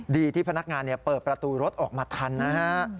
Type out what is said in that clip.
ดีที่พนักงานเปิดประตูรถออกมาทันนะฮะ